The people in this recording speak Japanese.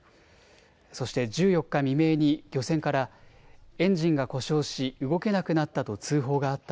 そして１４日未明に漁船からエンジンが故障し動けなくなったと通報があった